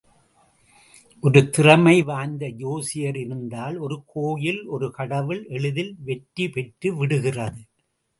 ஒரு திறமை வாய்ந்த ஜோசியர் இருந்தால் ஒரு கோயில் ஒரு கடவுள் எளிதில் வெற்றி பெற்று விடுகிறது.